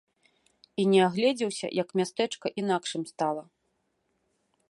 І не агледзеўся як мястэчка інакшым стала.